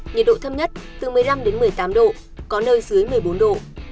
nhiệt độ thâm nhất từ một mươi năm một mươi tám độ có nơi dưới một mươi bốn độ